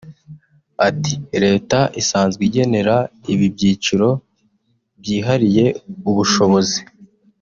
Ati “Leta isanzwe igenera ibi byiciro byihariye ubushobozi